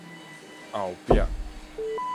後壁